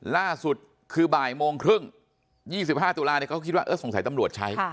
ล่าสุดคือบ่ายโมงครึ่ง๒๕ตุลาเขาคิดว่าสงสัยตำรวจใช้